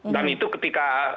dan itu ketika